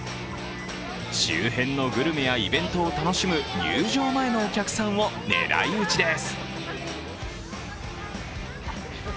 周辺のグルメやイベントを楽しむ入場前のお客さんを狙いうちです。